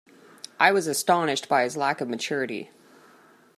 I was astonished by his lack of maturity